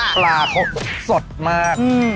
ปลาเฝียดฟรรดิสดมาก